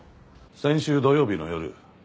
先週土曜日の夜お前